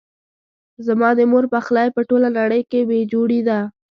زما د مور پخلی په ټوله نړۍ کې بي جوړي ده